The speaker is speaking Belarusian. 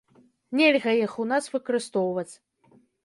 Нельга іх у нас выкарыстоўваць.